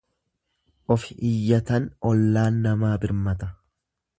Ofi iyyatan ollaan namaa birmata.